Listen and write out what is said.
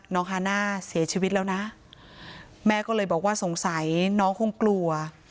ฮาน่าเสียชีวิตแล้วนะแม่ก็เลยบอกว่าสงสัยน้องคงกลัว